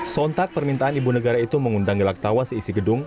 sontak permintaan ibu negara itu mengundang gelak tawa seisi gedung